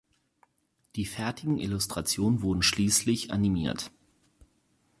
Die fertigen Illustrationen wurden schließlich animiert.